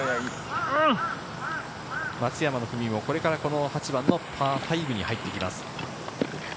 松山の組もこれからこの８番のパー５に入っていきます。